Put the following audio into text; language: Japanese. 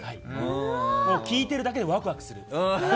聞いているだけでワクワクする。